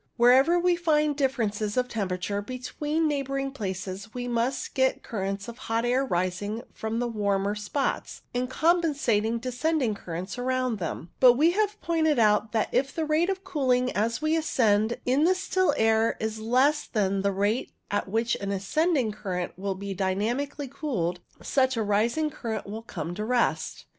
Wherever we find differences of tem perature between neighbouring places we must get ii6 CUMULO NIMBUS currents of hot air rising from the warmer spots, and compensating descending currents around them. But we have pointed out that if the rate of cooling as we ascend in the still air is less than the rate at which an ascending current will be dynamically cooled, such a rising current will come to rest.